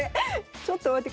ちょっと待って。